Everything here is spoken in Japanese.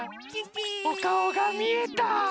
おかおがみえた！